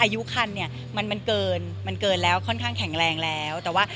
ไม่ต้องกังวลนะเพราะว่าอายุคันเนี่ยมันเกินแล้วค่อนข้างแข็งแรงแล้ว